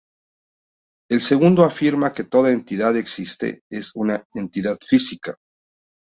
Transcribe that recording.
El segundo afirma que toda entidad existente es una entidad física.